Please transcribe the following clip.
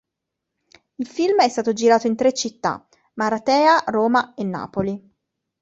Il film è stato girato in tre città: Maratea, Roma e Napoli.